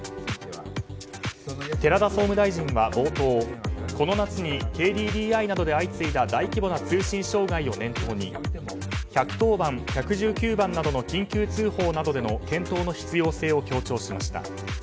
寺田総務大臣は冒頭この夏にＫＤＤＩなどで相次いだ大規模通信障害を念頭に１１０番、１１９番などの緊急通報などでの検討の必要性を強調しました。